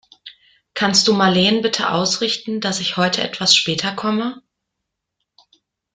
Kannst du Marleen bitte ausrichten, dass ich heute etwas später komme?